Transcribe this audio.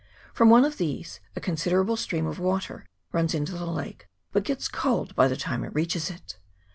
From one of these a considerable stream of water runs into the lake, but gets cold by the time it reaches it.